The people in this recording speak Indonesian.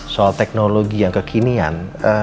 soal teknologi yang kekinian